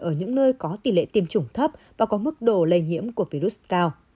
ở những nơi có tỷ lệ tiêm chủng thấp và có mức độ lây nhiễm của virus cao